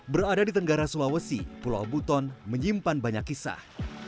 berada di tenggara sulawesi pulau buton menyimpan banyak kisah